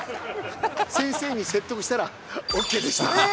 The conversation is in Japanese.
先生に説得したらＯＫでした。